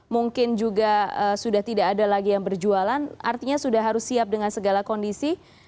mungkin juga sudah tidak ada lagi yang berjualan artinya sudah harus siap dengan segala kondisi